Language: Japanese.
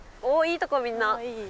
おいいとこみんな。